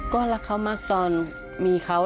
ก็รักเขามากตอนมีเขา